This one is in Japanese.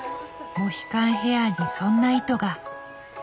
モヒカンヘアにそんな意図が。